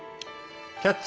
「キャッチ！